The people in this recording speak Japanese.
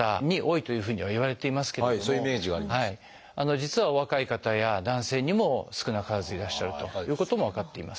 実はお若い方や男性にも少なからずいらっしゃるということも分かっています。